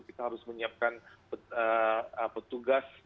kita harus menyiapkan petugas